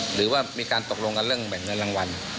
หรือว่ามีการตกลงกันเรื่องแบ่งเงินรางวัล